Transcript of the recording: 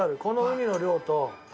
このウニの量と。